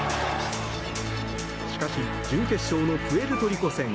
しかし準決勝のプエルトリコ戦。